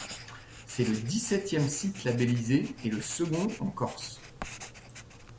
C'est le dix-septième site labellisé et le second en Corse.